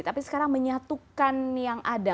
tapi sekarang menyatukan yang ada